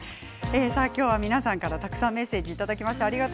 今日も皆さんからたくさんのメッセージをいただきました。